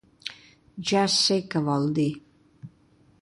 Ja sé què vol dir.